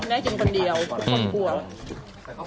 แม่กินคนเดียว